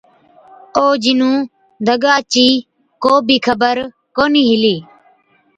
اُون جِنُون دگا چِي ڪو بِي خبر ڪونهِي هِلِي۔